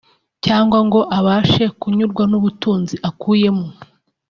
cyangwa ngo abashe kunyurwa n’ubutunzi akuyemo